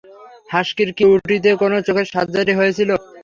হাস্কির কি উটিতে কোনো চোখের সার্জারি হয়েছিল?